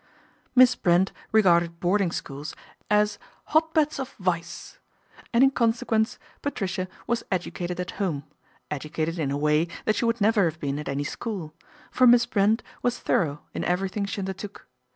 Miss Brent regarded boarding schools as " hot beds of vice," and in consequence Patricia was educated at home, educated in a way that she would never have been at any school ; for Miss Brent was thorough in everything she undertook.